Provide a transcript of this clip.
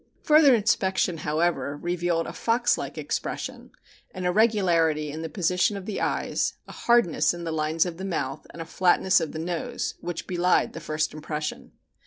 Further inspection, however, revealed a fox like expression, an irregularity in the position of the eyes, a hardness in the lines of the mouth and a flatness of the nose which belied the first impression.